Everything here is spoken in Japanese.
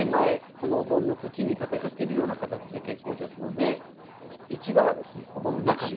このお盆の縁に立てかけるような形で結構ですので内側ですねお盆の中に。